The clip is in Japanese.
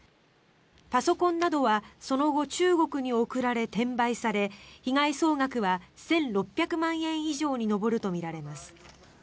パソコンなどはその後、中国に送られ転売され、被害総額は１６００万円以上に上るとみられます。